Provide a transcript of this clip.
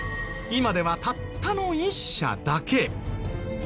今ではたったの１社だけ。